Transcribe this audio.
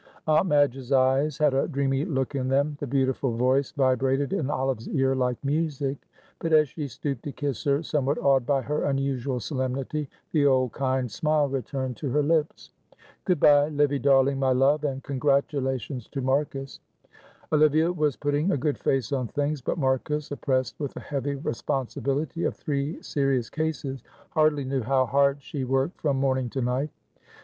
Aunt Madge's eyes had a dreamy look in them; the beautiful voice vibrated in Olive's ear like music; but as she stooped to kiss her, somewhat awed by her unusual solemnity, the old kind smile returned to her lips. "Good bye, Livy darling, my love, and congratulations to Marcus." Olivia was putting a good face on things, but Marcus, oppressed with the heavy responsibility of three serious cases, hardly knew how hard she worked from morning to night.